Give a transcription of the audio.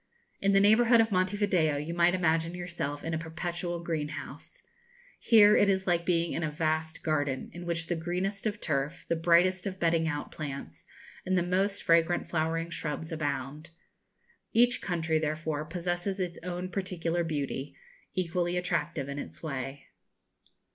In the neighbourhood of Monte Video you might imagine yourself in a perpetual greenhouse. Here it is like being in a vast garden, in which the greenest of turf, the brightest of bedding out plants, and the most fragrant flowering shrubs abound. Each country, therefore, possesses its own particular beauty, equally attractive in its way.